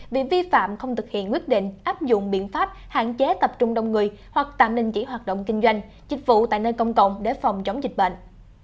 vì vi phạm không thực hiện quyết định áp dụng biện pháp hạn chế tập trung đông người hoặc tạm đình chỉ hoạt động kinh doanh dịch vụ tại nơi công cộng để phòng chống dịch bệnh